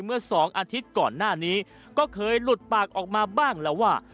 เมื่อสองอาทิตย์ก่อนหน้านี้ก็เคยหลุดปากออกมาบ้างแล้วว่า